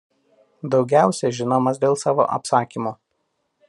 Daugiausia žinomas dėl savo apsakymų.